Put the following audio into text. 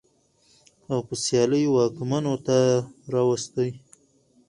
او په سيالۍ واکمنو ته راوستې.